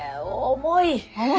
重い？